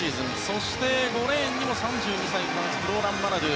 そして、５レーンにも３２歳のフランスフローラン・マナドゥ。